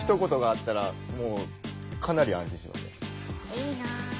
いいな。